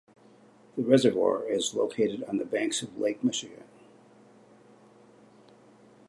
The reservoir is located on the banks of Lake Michigan.